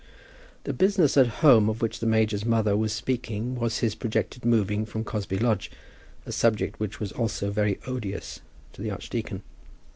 The business at home of which the major's mother was speaking was his projected moving from Cosby Lodge, a subject which was also very odious to the archdeacon.